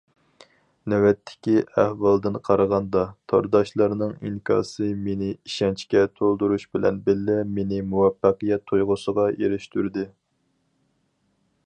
نۆۋەتتىكى ئەھۋالدىن قارىغاندا، تورداشلارنىڭ ئىنكاسى مېنى ئىشەنچكە تولدۇرۇش بىلەن بىللە مېنى مۇۋەپپەقىيەت تۇيغۇسىغا ئېرىشتۈردى.